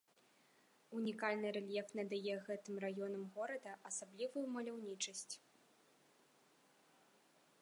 Унікальны рэльеф надае гэтым раёнам горада асаблівую маляўнічасць.